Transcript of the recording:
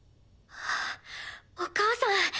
あっお母さん。